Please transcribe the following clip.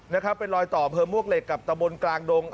นะครับเป็นรอยต่ออำเภอมวกเหล็กกับตะบนกลางดง